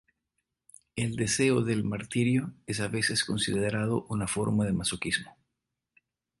El deseo del martirio es a veces considerado una forma de masoquismo.